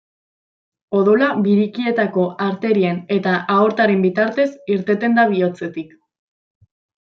Odola birikietako arterien eta aortaren bitartez irteten da bihotzetik.